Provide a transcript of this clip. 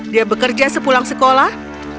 dia bekerja sepulang sekolah